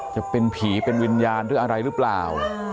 จะเป็นผีเป็นวิญญาณหรืออะไรหรือเปล่า